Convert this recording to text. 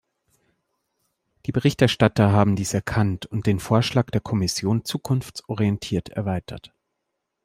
Die Berichterstatter haben dies erkannt und den Vorschlag der Kommission zukunftsorientiert erweitert.